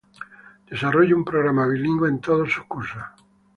Desarrolla un programa bilingüe en todos sus cursos.